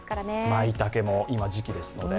まいたけも今、時期ですので。